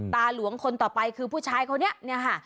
ตาหลวงคนต่อไปคือผู้ชายคนนี้เนี่ยค่ะ